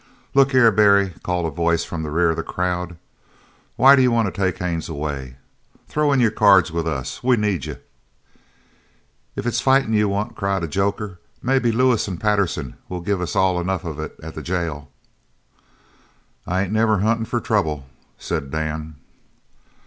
"Look here, Barry," called a voice from the rear of the crowd, "why do you want to take Haines away? Throw in your cards with us. We need you." "If it's fightin' you want," cried a joker, "maybe Lewis an' Patterson will give us all enough of it at the jail." "I ain't never huntin' for trouble," said Dan.